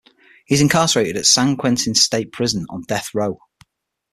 He is incarcerated at San Quentin State Prison on death row.